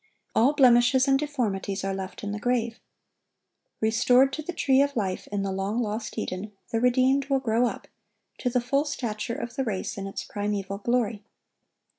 All blemishes and deformities are left in the grave. Restored to the tree of life in the long lost Eden, the redeemed will "grow up"(1117) to the full stature of the race in its primeval glory.